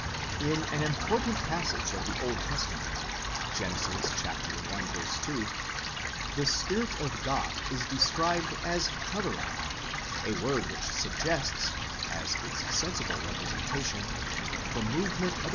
In an important passage of the Old Testament (Gen. i. 2), the Spirit of God is described as hovering (M52), a word which suggests, as its sensible representation, the movement * Heeres.